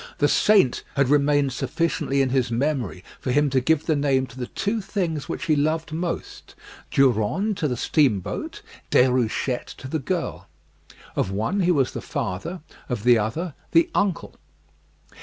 The saint had remained sufficiently in his memory for him to give the name to the two things which he loved most Durande to the steamboat, Déruchette to the girl. Of one he was the father, of the other the uncle.